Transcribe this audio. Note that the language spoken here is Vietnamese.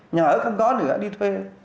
nhà ở không có thì phải đi thuê